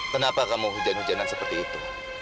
kenapa kamu hujan hujanan seperti itu